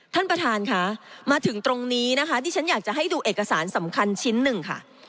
ท่านประธานค่ะมาถึงตรงนี้นะคะที่ฉันอยากจะให้ดูเอกสารสำคัญชิ้นหนึ่งค่ะ